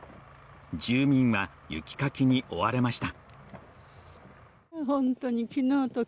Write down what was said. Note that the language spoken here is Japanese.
住民は、雪かきに追われました。